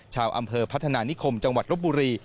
ชาวอำเภอพัฒนานิคมจังหวัดลบบุรี